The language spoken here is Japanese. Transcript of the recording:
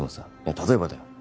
例えばだよ